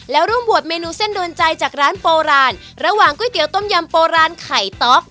แล้วร่วมบวชเมนูเส้นโดนใจจากร้านโบราณระหว่างก๋วยเตี๋ต้มยำโบราณไข่ต๊อก